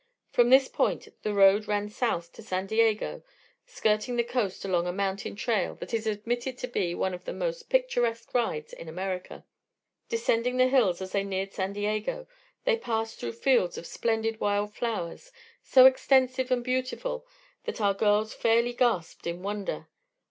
From this point the road ran south to San Diego, skirting the coast along a mountain trail that is admitted to be one of the most picturesque rides in America. Descending the hills as they neared San Diego they passed through fields of splendid wild flowers so extensive and beautiful that our girls fairly gasped in wonder.